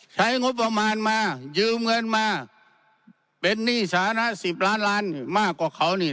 ใช้งบประมาณมายืมเงินมาเป็นหนี้สาธารณะสิบล้านล้านมากกว่าเขานี่